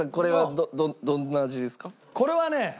これはね